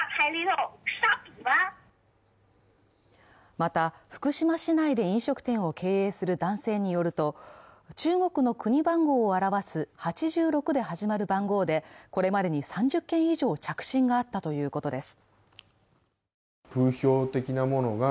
また、福島市内で飲食店を経営する男性によると中国の国番号を表す８６で始まる番号で、これまでに３０件以上、着信があったということです。